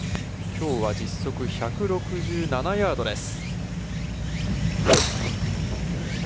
きょうは実測１６７ヤードです。